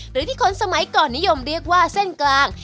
หรือที่คนสมัยก่อนนิยมเรียกว่าเส้นกลาง